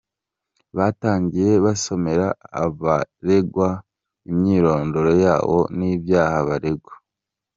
Batangiye basomera abaregwa imyirondoro yabo n’ibyaha baregwa…